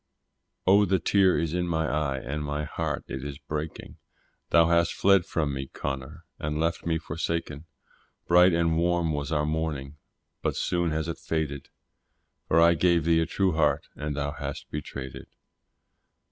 Oh the tear is in my eye, and my heart it is breaking, Thou hast fled from me, Connor, and left me forsaken; Bright and warm was our morning, but soon has it faded, For I gave thee a true heart, and thou hast betrayed it.